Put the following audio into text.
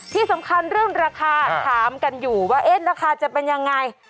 ที่สำคัญเรื่องราคาถามกันอยู่ว่าราคาจะเป็นยังไง